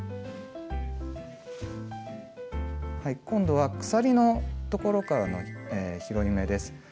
今度は鎖のところからの拾い目です。